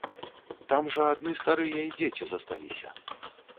Там жа адны старыя і дзеці засталіся!